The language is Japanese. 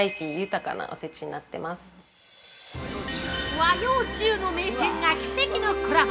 ◆和洋中の名店が奇跡のコラボ。